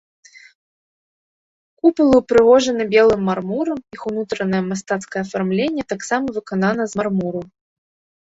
Купалы ўпрыгожаны белым мармурам, іх унутраная мастацкае афармленне таксама выканана з мармуру.